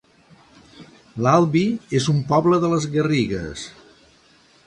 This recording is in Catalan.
L'Albi es un poble de les Garrigues